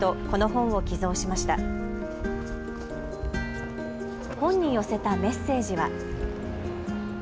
本に寄せたメッセージは。